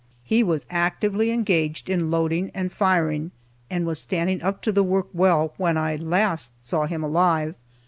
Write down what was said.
He was actively engaged in loading and firing, and was standing up to the work well when I last saw him alive.